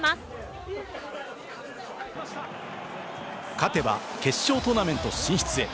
勝てば決勝トーナメント進出へ。